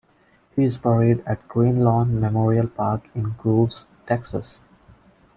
He is buried at Greenlawn Memorial Park in Groves, Texas.